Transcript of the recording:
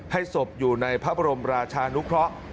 ศพอยู่ในพระบรมราชานุเคราะห์